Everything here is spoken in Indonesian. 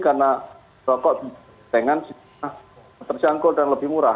karena rokok di tengah terjangkau dan lebih murah